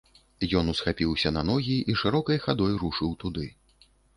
Ён усхапіўся на ногі і шырокай хадой рушыў туды.